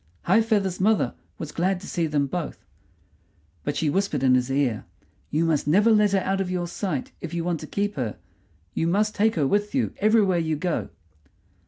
High feather's mother was glad to see them both; but she whispered in his ear: "You must never let her out of your sight if you want to keep her; you must take her with you everywhere you go."